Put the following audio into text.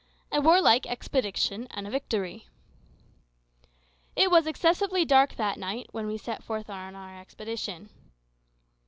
A WARLIKE EXPEDITION AND A VICTORY. It was excessively dark that night when we set forth on our expedition.